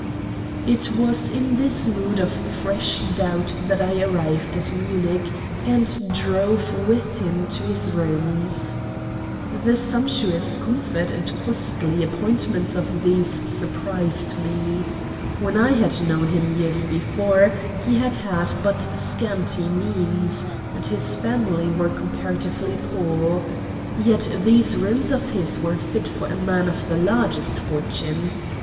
It was in this mood of fresh doubt that I arrived at Munich, and drove with him to his rooms. The sumptuous comfort and costly appointments of these surprised me. When I had known him years before, he had had but scanty means, and his family were comparatively poor. Yet these rooms of his were fit for a man of the largest fortune.